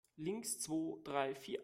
Links, zwo, drei, vier!